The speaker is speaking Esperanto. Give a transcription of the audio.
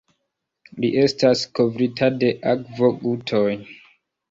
Li estas kovrita de akvogutoj.